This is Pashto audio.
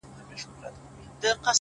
هره هڅه خپل دوامداره اثر لري